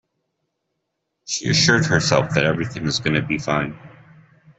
She assured herself that everything is gonna be fine.